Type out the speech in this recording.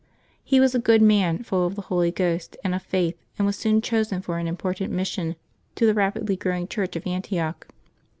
" He was a good man, full of the Holy Ghost and of faith, and was soon chosen for an important mission to the rapidly growing Church of Antioch.